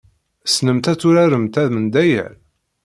Tessnemt ad turaremt amendayer?